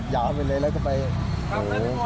ยาวไปเลยแล้วก็ไปโห